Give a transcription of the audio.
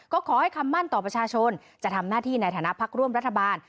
ก็ขอให้คำมั่นต่อประชาชนจะทำหน้าที่ในฐานะพักร่วมรัฐบาล